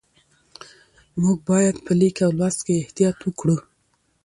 موږ باید په لیک او لوست کې احتیاط وکړو